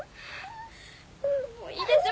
もういいでしょ？